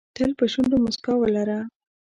تل په شونډو موسکا ولره .